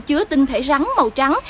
chứa tinh thể rắn màu trắng